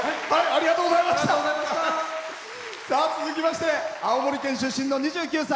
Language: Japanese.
続きまして青森県出身の２９歳。